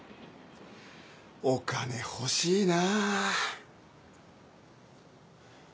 お金欲しいな。